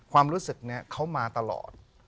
ความรู้สึกนี้เขามาตลอด